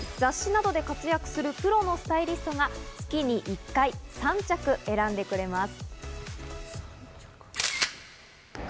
雑誌などで活躍するプロのスタイリストが月に１回、３着選んでくれます。